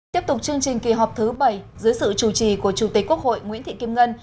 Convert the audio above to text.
tiếp tục chương trình kỳ họp thứ bảy dưới sự chủ trì của chủ tịch quốc hội nguyễn thị kim ngân